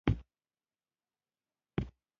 د کارګرانو مزد یو شان و.